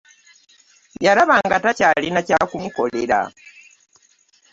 Yalaba nga takyalina kyakumukolera .